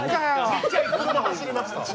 ちっちゃい車走りました